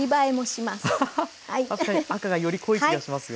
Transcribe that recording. アハハッ確かに赤がより濃い気がしますよね。